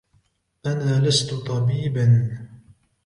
أنا لست طبيباً.